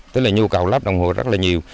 tức là nhu cầu lắp đồng hồ rất là nhiều